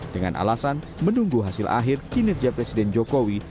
dengan alasan menunggu hasil akhir kinerja presiden jokowi